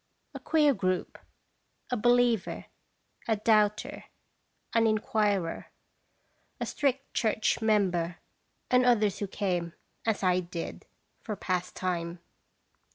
A queer group. A believer, a doubter, an inquirer, a strict church member, and others who came, as I did, for pastime.